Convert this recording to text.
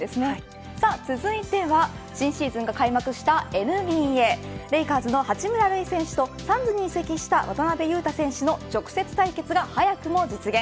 続いては新シーズンが開幕したＮＢＡレイカーズの八村塁選手とサンズに移籍した渡邊雄太選手の直接対決が早くも実現。